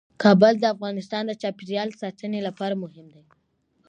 کابل د افغانستان د چاپیریال ساتنې لپاره مهم دي.